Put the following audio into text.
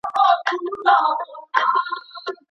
ولي زیارکښ کس د پوه سړي په پرتله خنډونه ماتوي؟